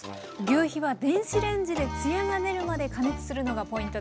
ぎゅうひは電子レンジでつやが出るまで加熱するのがポイントでした。